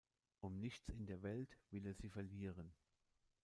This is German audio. Um nichts in der Welt will er sie verlieren.